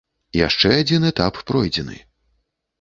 Яшчэ адзін этап пройдзены.